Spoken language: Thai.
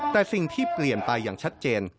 แต่สิ่งที่เปลี่ยนไปอย่างชัดเจน